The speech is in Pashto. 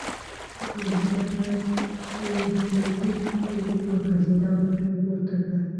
بزګر پر لیهمڅي اوږد وغځېد او پښه یې پورته کړه.